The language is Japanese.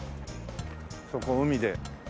そこ海で。